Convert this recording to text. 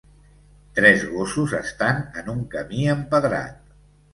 Tres gossos estan en un camí empedrat.